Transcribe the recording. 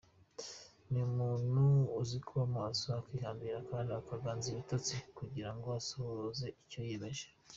Ni umuntu uzi kuba maso, akihambira kandi akaganza ibitotsi kugira ngo asohoze icyo yiyemeje.